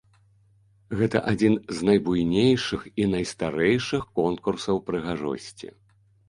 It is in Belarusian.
Гэта адзін з найбуйнейшых і найстарэйшых конкурсаў прыгажосці.